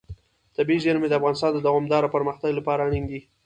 طبیعي زیرمې د افغانستان د دوامداره پرمختګ لپاره اړین دي.